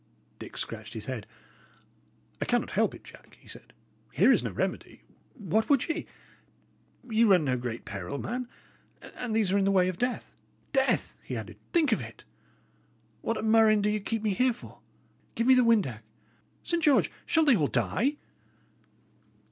Dick scratched his head. "I cannot help it, Jack," he said. "Here is no remedy. What would ye? Ye run no great peril, man; and these are in the way of death. Death!" he added. "Think of it! What a murrain do ye keep me here for? Give me the windac. Saint George! shall they all die?"